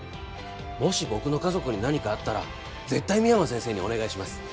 もし僕の家族に何かあったら絶対深山先生にお願いします